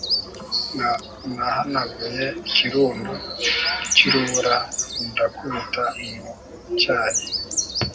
nahanaguye ikirundo cy'urubura ndakubita mu cyayi